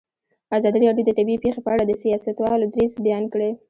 ازادي راډیو د طبیعي پېښې په اړه د سیاستوالو دریځ بیان کړی.